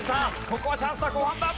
ここはチャンスだ後半だ！